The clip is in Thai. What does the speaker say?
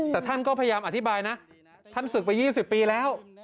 แต่ท่านก็พยายามอธิบายนะท่านศึกไป๒๐ปีแล้ว